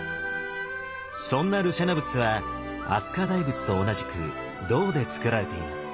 そんな盧舎那仏は飛鳥大仏と同じく銅でつくられています。